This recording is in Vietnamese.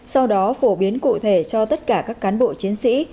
sau đó phổ biến cụ thể cho tất cả các cán bộ chiến sĩ